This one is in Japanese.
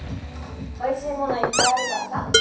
おいしいものいっぱいあるからさ。